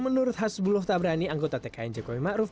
menurut hasbuloh tabrani anggota tkn jokowi maruf